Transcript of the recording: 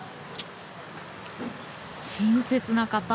親切な方。